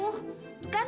tunggu sebentar mama